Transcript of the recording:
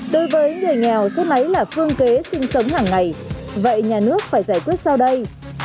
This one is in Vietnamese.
đối với người nghèo xe máy là phương kế sinh sống hàng ngày vậy nhà nước phải giải quyết sau đây